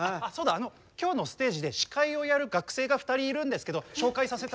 あの今日のステージで司会をやる学生が２人いるんですけど紹介させてもらってもいいですか？